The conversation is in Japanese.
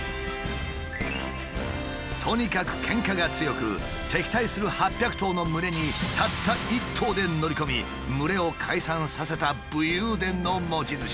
とにかくケンカが強く敵対する８００頭の群れにたった一頭で乗り込み群れを解散させた武勇伝の持ち主。